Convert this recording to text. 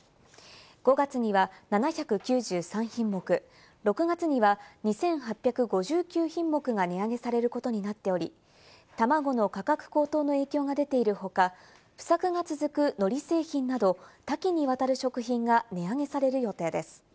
５月には７９３品目、６月には２８５９品目が値上げされることになっており、たまごの価格高騰の影響が出ているほか、不作が続く海苔製品など多岐にわたる食品が値上げされる予定です。